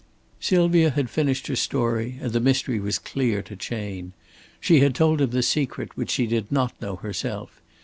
Sylvia had finished her story, and the mystery was clear to Chayne. She had told him the secret which she did not know herself.